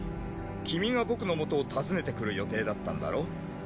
君が僕の元を訪ねてくる予定だったんだろ？